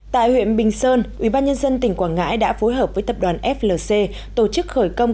tại huyện bình sơn ubnd tỉnh quảng ngãi đã phối hợp với tập đoàn flc tổ chức khởi công